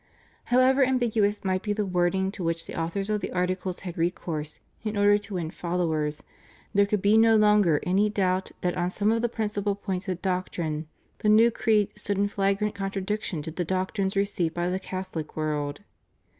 However ambiguous might be the wording to which the authors of the Articles had recourse in order to win followers, there could be no longer any doubt that on some of the principal points of doctrine the new creed stood in flagrant contradiction to the doctrines received by the Catholic world.